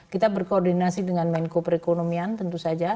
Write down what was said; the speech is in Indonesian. kita berkoordinasi dengan menko perekonomian tentu saja